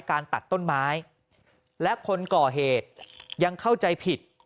ตัดต้นไม้และคนก่อเหตุยังเข้าใจผิด